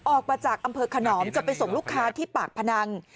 ออกมาจากอำเภอขนอมจะไปส่งลูกค้าที่ปากพนัง